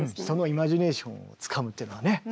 そのイマジネーションをつかむっていうのはね